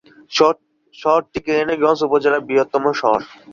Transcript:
শহরটি কোম্পানীগঞ্জ উপজেলার বৃহত্তম শহর।